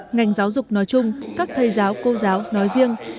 ngành giáo dục nói chung các thầy giáo cô giáo nói riêng